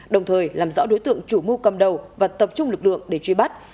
đồng thời làm rõ đối tượng chủ mưu cầm đầu và tập trung lực lượng để truy bắt